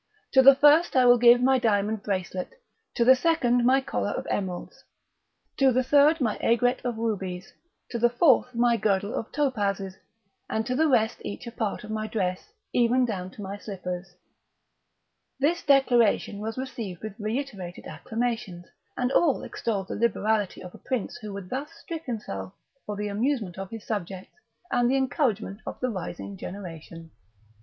To the first I will give my diamond bracelet, to the second my collar of emeralds, to the third my aigret of rubies, to the fourth my girdle of topazes, and to the rest each a part of my dress, even down to my slippers." This declaration was received with reiterated acclamations, and all extolled the liberality of a prince who would thus strip himself for the amusement of his subjects and the encouragement of the rising generation.